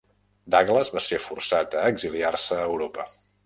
Douglas va ser forçat a exiliar-se a Europa.